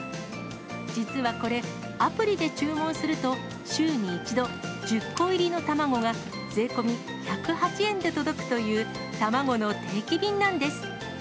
実はこれ、アプリで注文すると週に１度、１０個入りの卵が、税込み１０８円で届くという、卵の定期便なんです。